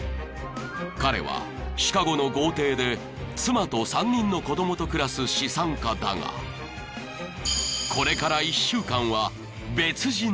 ［彼はシカゴの豪邸で妻と３人の子供と暮らす資産家だがこれから］